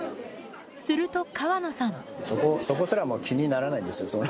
すると川野さん